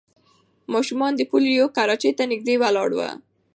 ماشومان د پولیو کراچۍ ته نږدې ولاړ وو.